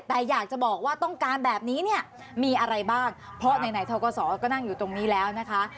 แต่อยากจะบอกว่าต้องการแบบนี้เนี่ยมีอะไรบ้างเพราะไหนทกศก็นั่งอยู่ตรงนี้แล้วนะคะ